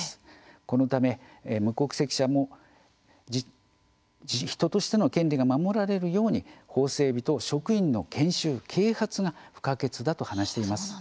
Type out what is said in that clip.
このため、無国籍者の人としての権利が守られるように法整備と職員の研修、啓発が不可欠だと話しています。